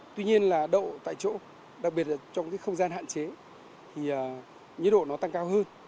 tuy nhiên là độ tại chỗ đặc biệt là trong cái không gian hạn chế thì nhiệt độ nó tăng cao hơn